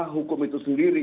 hukum itu sendiri